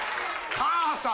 母さん。